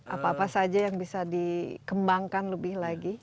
apa apa saja yang bisa dikembangkan lebih lagi